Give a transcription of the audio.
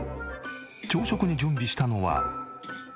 朝食に準備したのは。